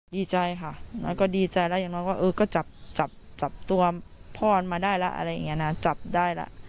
ดีใจค่ะดีใจยังน้อยก็จับตัวพ่อมาได้ละอะไรอย่างเนี่ยจับได้ละ